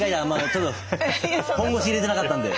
ちょっと本腰入れてなかったんで。